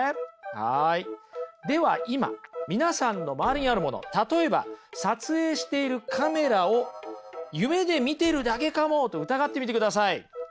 では今皆さんの周りにあるもの例えば撮影しているカメラを夢で見てるだけかもと疑ってみてください。